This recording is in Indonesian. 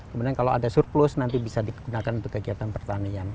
kemudian kalau ada surplus nanti bisa digunakan untuk kegiatan pertanian